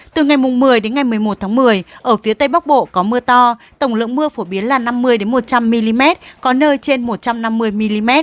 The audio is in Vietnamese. từ ngày một mươi đến ngày một mươi một tháng một mươi ở phía tây bắc bộ có mưa to tổng lượng mưa phổ biến là năm mươi một trăm linh mm có nơi trên một trăm năm mươi mm